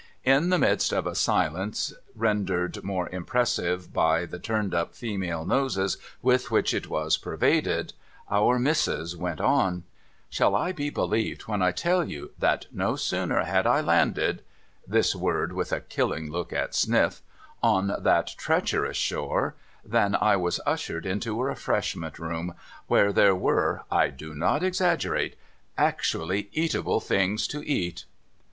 In the midst of a silence rendered more impressive by the turned up female noses with which it was pervaded, Our Missis went on :' Sliall I be believed when I tell you, that no sooner had I landed,' this word with a killing look at Sniff, ' on that treacherous shore, than I was ushered into a Refreshment Room where there were — I do not exaggerate — actually eatable things to eat